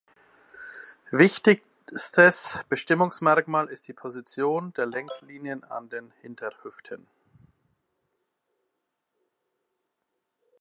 Wichtigstes Bestimmungsmerkmal ist die Position der Längslinien an den Hinterhüften.